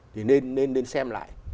thì nên xem lại